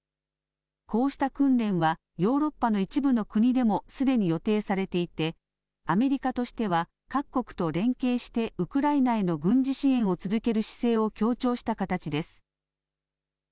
こうした訓練はヨーロッパの一部の国でもすでに予定されていてアメリカとしては各国と連携してウクライナへの軍事支援を続ける姿勢を強調した形です。